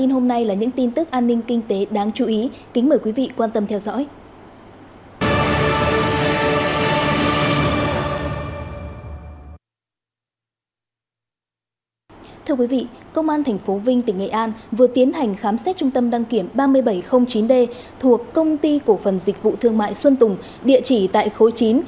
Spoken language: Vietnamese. hãy đăng ký kênh để ủng hộ kênh của chúng mình nhé